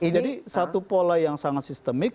jadi satu pola yang sangat sistemik